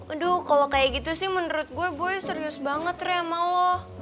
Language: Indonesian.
aduh kalo kayak gitu sih menurut gue boy serius banget re sama lo